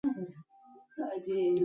نارت بروک امیر ته ولیکل.